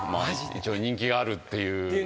一応人気があるっていう。